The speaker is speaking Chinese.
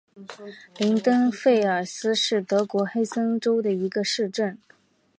林登费尔斯是德国黑森州的一个市镇。